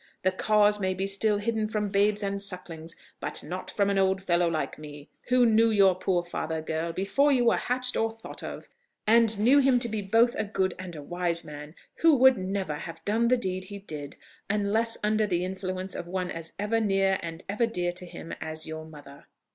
The cause may be still hid from babes and sucklings, but not from an old fellow like me, who knew your poor father, girl, before you were hatched or thought of, and knew him to be both a good and a wise man, who would never have done the deed he did unless under the influence of one as ever near and ever dear to him as your mother."